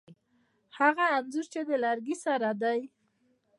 هغه انځور چې د کړکۍ سره دی